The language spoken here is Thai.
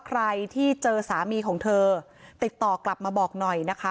ใครที่เจอสามีของเธอติดต่อกลับมาบอกหน่อยนะคะ